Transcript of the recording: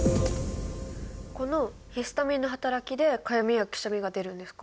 このヒスタミンのはたらきでかゆみやくしゃみが出るんですか？